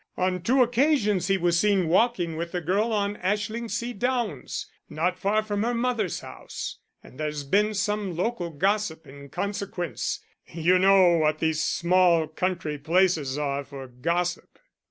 On two occasions he was seen walking with the girl on Ashlingsea downs, not far from her mother's house, and there's been some local gossip in consequence you know what these small country places are for gossip."